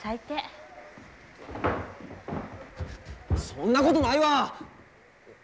そんなことないわ！